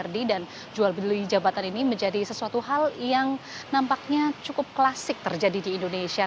dan jual beli jabatan ini menjadi sesuatu hal yang nampaknya cukup klasik terjadi di indonesia